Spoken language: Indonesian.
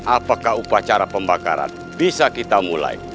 apakah upacara pembakaran bisa kita mulai